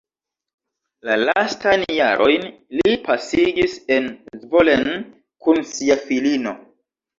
La lastajn jarojn li pasigis en Zvolen kun sia filino.